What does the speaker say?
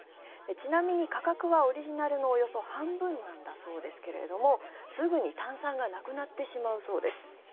ちなみに価格はオリジナルのおよそ半分なんだそうですがすぐに炭酸がなくなってしまうそうです。